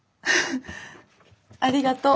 ありがとう。